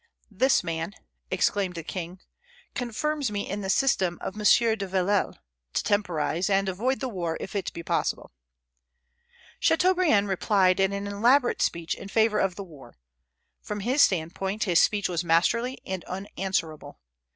"This man," exclaimed the king, "confirms me in the system of M. de Villèle, to temporize, and avoid the war if it be possible." Chateaubriand replied in an elaborate speech in favor of the war. From his standpoint, his speech was masterly and unanswerable.